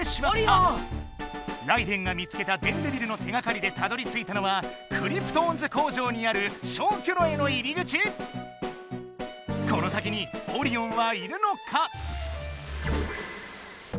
ライデェンが見つけた電デビルの手がかりでたどりついたのはクリプトオンズ工場にある消去炉への入り口⁉この先にオリオンはいるのか？